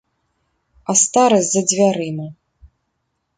А старасць за дзвярыма.